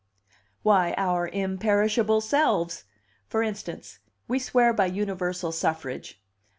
"Why, our imperishable selves! For instance: we swear by universal suffrage.